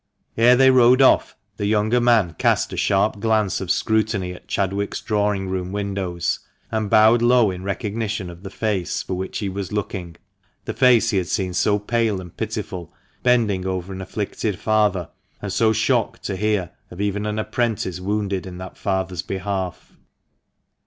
Ere they rode off the younger man cast a sharp glance of scrutiny at Chadwick's drawing room windows, and bowed low in recognition of the face for which he was looking — the face he had seen so pale and pitiful, bending over an afflicted father, and so shocked to hear of even an apprentice wounded in that father's behalf.